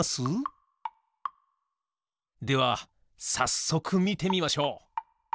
ではさっそくみてみましょう！